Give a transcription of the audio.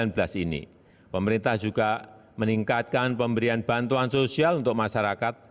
dan juga meningkatkan pemberian bantuan sosial untuk masyarakat